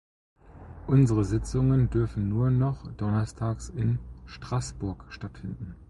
Unsere Sitzungen dürfen nur noch donnerstags in Straßburg stattfinden.